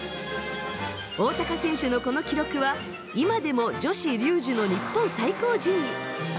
大高選手のこの記録は今でも女子リュージュの日本最高順位。